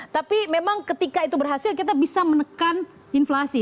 tapi memang ketika itu berhasil kita bisa menekan inflasi